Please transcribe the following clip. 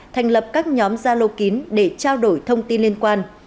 thành lập các nhóm gia lô kín để trao đổi thông tin liên quan